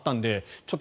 ちょっと